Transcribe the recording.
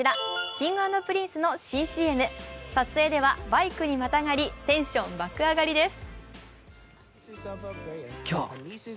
Ｋｉｎｇ＆Ｐｒｉｎｃｅの新ＣＭ撮影ではバイクにまたがりテンション爆上がりです。